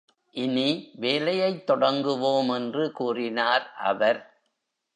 இனி, வேலையைத் தொடங்குவோம் என்று கூறினார் அவர்.